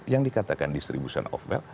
yang dikatakan distribution of fail